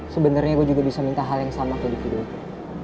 sebenernya gue juga bisa minta hal yang sama ke individu itu